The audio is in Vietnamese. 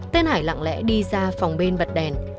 tên hải lặng lẽ đi ra phòng bên bật đèn